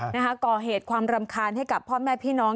นะคะก่อเหตุความรำคาญให้กับพ่อแม่พี่น้อง